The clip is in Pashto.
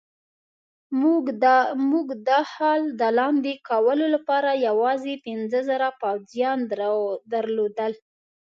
موږ د اخال د لاندې کولو لپاره یوازې پنځه زره پوځیان درلودل.